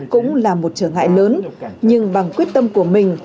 cũng là một trở ngại lớn nhưng bằng quyết tâm của mình